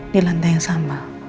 di lantai yang sama